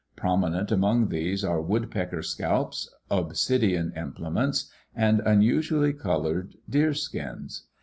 Prominent among these are woodpecker scalps, obsidian implements, and unusually colored deer skins.